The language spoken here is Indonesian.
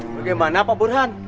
bagaimana pak burhan